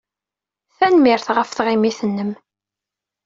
Tanemmirt ɣef tɣimit-nnem.